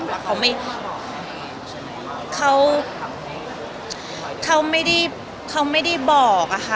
ว่าเขาไม่เขาเขาไม่ได้เขาไม่ได้บอกอะค่ะ